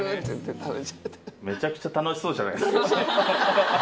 めちゃくちゃ楽しそうじゃな楽しい。